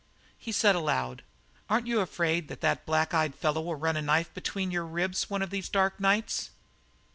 He said aloud: "Aren't you afraid that that black eyed fellow will run a knife between your ribs one of these dark nights?"